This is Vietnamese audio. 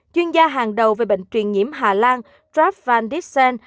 chuyên gia hàng đầu về bệnh truyền nhiễm hà lan traf van dixen